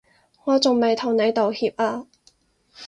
我仲未同你道歉啊